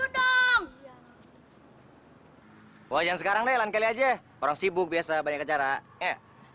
dulu dong wajah sekarang lantai aja orang sibuk biasa banyak cara ya